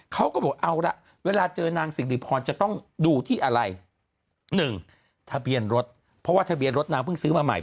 เขาก็บอกเอาละเวลาเจอนางสิริพรจะต้องดูที่อะไร๑ทะเบียนรถเพราะว่าทะเบียนรถนางเพิ่งซื้อมาใหม่